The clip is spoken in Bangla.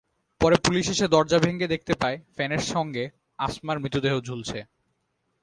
পরে পুলিশ এসে দরজা ভেঙে দেখতে পায় ফ্যানের সঙ্গে আসমার মৃতদেহ ঝুলছে।